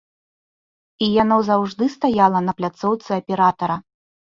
І яно заўжды стаяла на пляцоўцы аператара.